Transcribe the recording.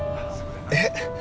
えっ